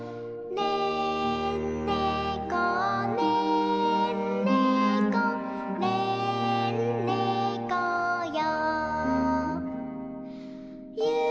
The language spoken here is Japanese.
「ねんねこねんねこねんねこよ」